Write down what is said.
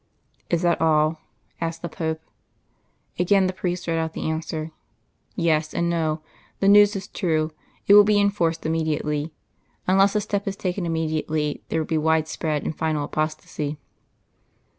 '" "Is that all?" asked the Pope. Again the priest read out the answer. "'Yes and no. The news is true. It will be inforced immediately. Unless a step is taken immediately there will be widespread and final apostasy.